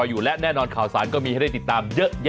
ได้แบบวิธีใบนะฮะทำได้แบบวิธีใบนะฮะ